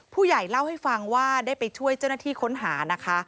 ผู้ใหญ่เล่าให้ฟังว่าได้ไปช่วยเจ้าหน้าที่ค้นหานะคะ